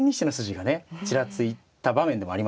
ちらついた場面でもありました。